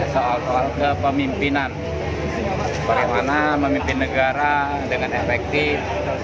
soal kepemimpinan bagaimana memimpin negara dengan efektif